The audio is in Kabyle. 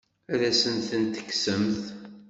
Ad asent-ten-tekksemt?